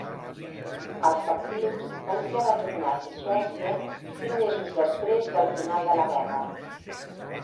Els captius van ser retornats a Suècia cinc mesos després del final de la guerra.